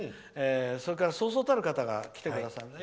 それから、そうそうたる方が来てくださいます。